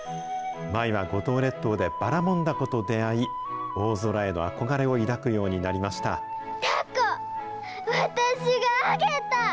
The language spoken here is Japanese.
舞は五島列島でばらもん凧と出会い大空への憧れを抱くようになりたこ、私が揚げた。